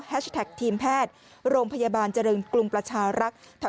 ทีมแพทย์โรงพยาบาลเจริญกรุงประชารักษ์